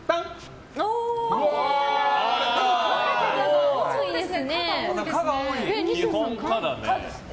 可が多いですね。